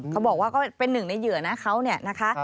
เขาบอกว่าก็เป็นหนึ่งในเหยื่อนะเขาเนี่ยนะคะ